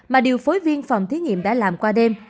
mà điều phối viên phòng thí nghiệm đã làm qua đêm